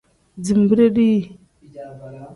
Zinbiri dii.